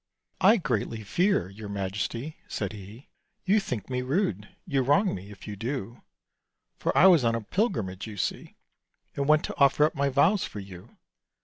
"I greatly fear, your Majesty," said he, "You think me rude; you wrong me, if you do: For I was on a pilgrimage, you see, And went to offer up my vows for you.